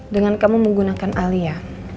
dengan kamu menggunakan alia